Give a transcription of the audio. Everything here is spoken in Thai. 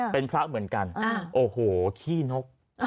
เป็นพระเหมือนกันโอ้โหขี้นก